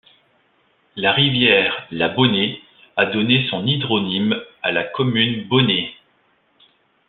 La rivière la Bonnée a donné son hydronyme à la commune Bonnée.